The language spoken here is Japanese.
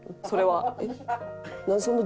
それは。